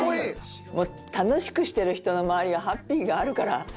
楽しくしてる人の周りはハッピーがあるから。